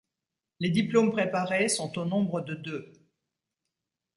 Les diplômes préparés sont au nombre de deux.